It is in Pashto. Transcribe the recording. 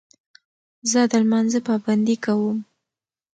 زه د لمانځه پابندي کوم.